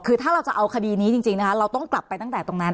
คือถ้าเราจะเอาคดีนี้จริงนะคะเราต้องกลับไปตั้งแต่ตรงนั้น